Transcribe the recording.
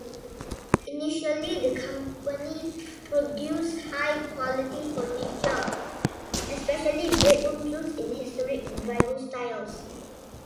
Initially the company produced high quality furniture, especially bedroom suites, in historic revival styles.